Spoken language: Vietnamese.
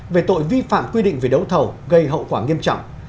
về tội vi phạm quy định về đấu thầu gây hậu quả nghiêm trọng